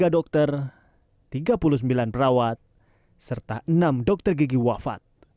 tiga dokter tiga puluh sembilan perawat serta enam dokter gigi wafat